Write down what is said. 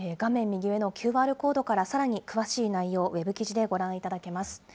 右上のＱＲコードからさらに詳しい内容、ＷＥＢ記事でご覧いただけます。